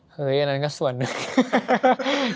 อันนั้นก็ส่วนหนึ่ง